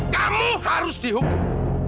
kamu harus dihukum